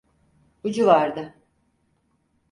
Bu civarda.